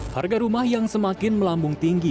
harga rumah yang semakin melambung tinggi